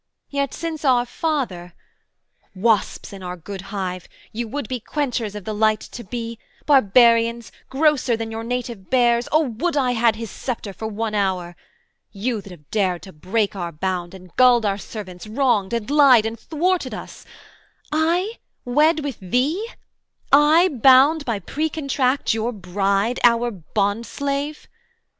Yet since our father Wasps in our good hive, You would be quenchers of the light to be, Barbarians, grosser than your native bears O would I had his sceptre for one hour! You that have dared to break our bound, and gulled Our servants, wronged and lied and thwarted us I wed with thee! I bound by precontract Your bride, your bondslave!